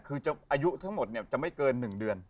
คืออายุทั้งหมดจะไม่เกิน๑เดือน